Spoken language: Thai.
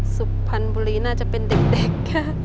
สุพรรณบุรีน่าจะเป็นเด็กค่ะ